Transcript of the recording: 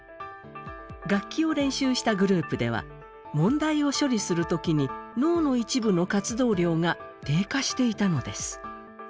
楽器を練習したグループでは問題を処理する時に脳の一部の活動量が低下していたのです。